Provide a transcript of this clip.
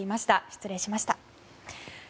失礼しました。